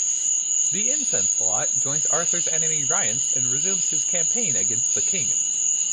The incensed Lot joins Arthur's enemy Rience and resumes his campaign against the king.